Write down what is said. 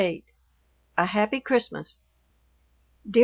VIII A HAPPY CHRISTMAS DEAR MRS.